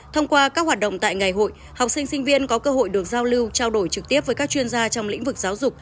thông qua các hoạt động tại ngày hội học sinh sinh viên có cơ hội được giao lưu trao đổi trực tiếp với các chuyên gia trong lĩnh vực giáo dục